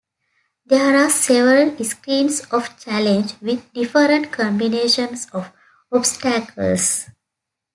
There are several screens of challenge with different combinations of obstacles.